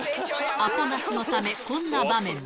アポなしのため、こんな場面も。